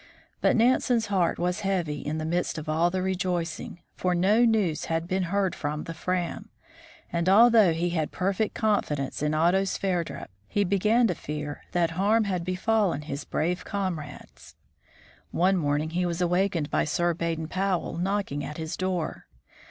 But Nansen's heart was heavy in the midst of all the rejoicing, for no news had been heard from the Fram, and although he had perfect confidence in Otto Sverdrup, he began to fear that harm had befallen his brave comrades. 132 THE FROZEN NORTH One morning he was awakened by Sir Baden Powell knocking at his door.